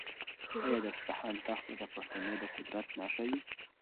آیا د اصفهان تخت به د پښتنو د قدرت نښه وي؟